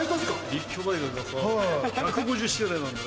立教大学がさ１５０周年なんでね。